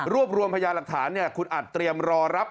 รวมรวมพยาหลักฐานคุณอัดเตรียมรอรับ